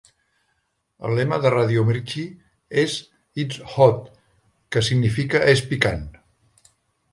El lema de Radio Mirchi és "It's hot!", que significa "És picant!".